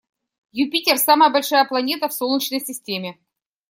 Юпитер - самая большая планета в Солнечной системе.